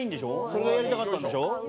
それがやりたかったんでしょ？